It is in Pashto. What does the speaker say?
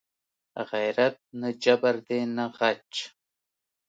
غیرت نه جبر دی نه غچ